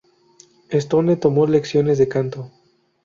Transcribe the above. Stone tomó lecciones de canto.